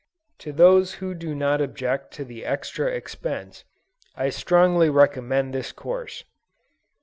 To those who do not object to the extra expense, I strongly recommend this course.